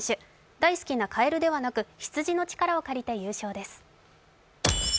大好きなかえるではなく羊の力を借りて優勝です。